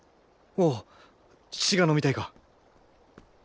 おおっ乳が飲みたいか！